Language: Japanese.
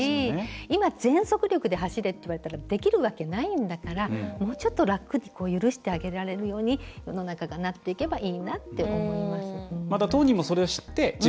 今、全速力で走れって言われたらできるわけないんだからもう少し楽に許してあげられるように世の中がなっていけばいいなと思います。